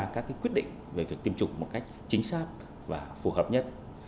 các quyết định về việc tiêm chủng một cách chính xác và phù hợp nhất